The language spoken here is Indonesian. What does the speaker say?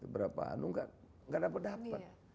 berapa anung enggak dapat dapat